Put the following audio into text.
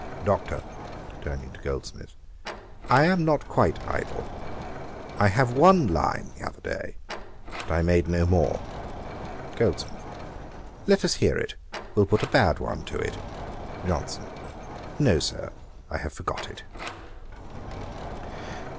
Doctor, (turning to Goldsmith,) I am not quite idle; I have one line t'other day; but I made no more.' GOLDSMITH. 'Let us hear it; we'll put a bad one to it.. JOHNSON. 'No, Sir, I have forgot it.